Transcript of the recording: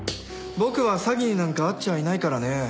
僕は詐欺になんか遭っちゃいないからね。